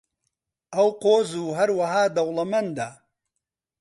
ئەو قۆز و هەروەها دەوڵەمەندە.